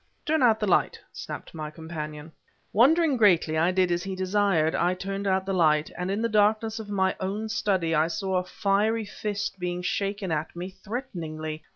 "Turn out the light!" snapped my companion. Wondering greatly, I did as he desired. I turned out the light... and in the darkness of my own study I saw a fiery fist being shaken at me threateningly!...